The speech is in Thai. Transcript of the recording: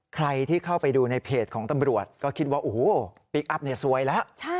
ใครที่เข้าไปดูในเพจของตำรวจก็คิดว่าโอ้โหพลิกอัพซวยแล้ว